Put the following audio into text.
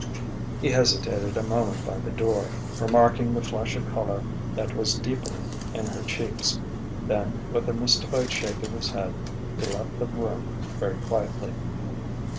He hesitated a moment by the door, remarking the flush of colour that was deepening in her cheeks; then with a mystified shake of his head, he left the room very quietly.